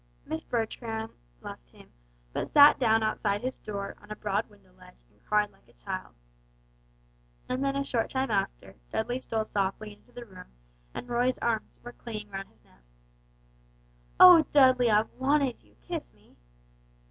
Miss Bertram left him, but sat down outside his door on a broad window ledge and cried like a child. And then a short time after, Dudley stole softly into the room and Roy's arms were clinging round his neck. "Oh, Dudley, I've wanted you, kiss me!"